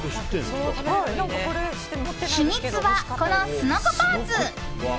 秘密は、このすのこパーツ。